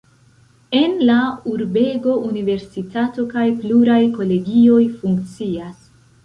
En la urbego universitato kaj pluraj kolegioj funkcias.